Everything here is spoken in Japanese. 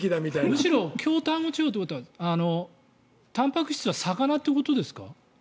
むしろ京丹後地方ということはたんぱく質は魚ということですか？